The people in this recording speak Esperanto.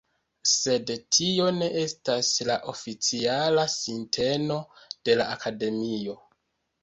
Sed tio ne estas la oficiala sinteno de la Akademio.